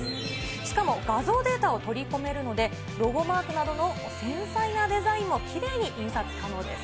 しかも画像データを取り込めるので、ロゴマークなどの繊細なデザインもきれいに印刷可能です。